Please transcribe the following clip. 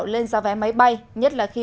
lên giá vé máy bay